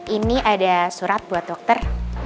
ini ada surat buat dokter